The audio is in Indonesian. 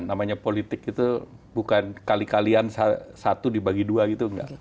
namanya politik itu bukan kali kalian satu dibagi dua gitu enggak